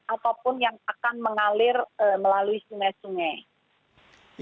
ataupun yang akan mengalir melalui sungai sungai